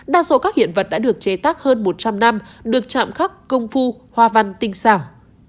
đa số các hiện vật đã được chế tác hơn một trăm linh năm được chạm khắc công phu hoa văn tinh xảo